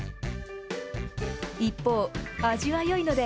一方、味はよいので、